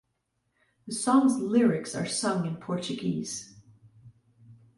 The song's lyrics are sung in Portuguese.